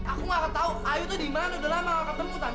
aku nggak ketau ayu tuh dimana udah lama nggak ketemu tante